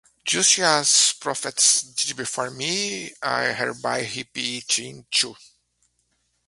Just as the prophets did before me, I hereby rip it in two.